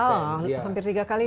jadi double betul